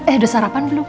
eh udah sarapan belum